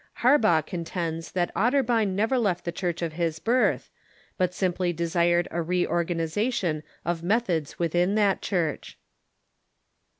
Harbaugh contends that Otterbein never left the Church of his birth, but simply desired a reorganization of methods Avithin that Church.